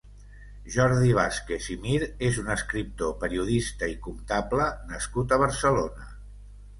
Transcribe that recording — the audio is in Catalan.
Jordi Vàzquez i Mir és un escriptor, periodista i comptable nascut a Barcelona.